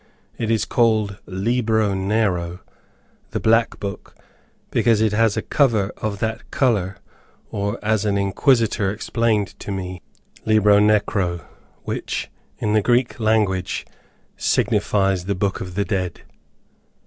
It is called Libro Nero, the Black Book, because it has a cover of that color; or, as an inquisitor explained to me, Libro Necro, which, in the Greek language, signifies 'The book of the dead.'